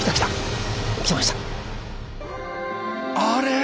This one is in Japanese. あれ？